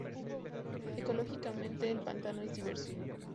Ecológicamente el pantano es diverso.